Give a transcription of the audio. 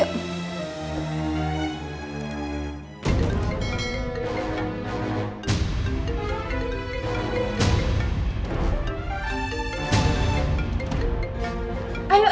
bak mandi buat syifa